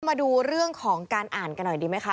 มาดูเรื่องของการอ่านกันหน่อยดีไหมคะ